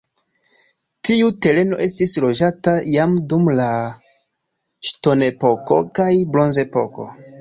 Tiu tereno estis loĝata jam dum la ŝtonepoko kaj bronzepoko.